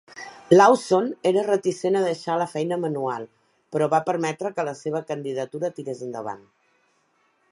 Lawson era reticent a deixar la feina manual, però va permetre que la seva candidatura tirés endavant.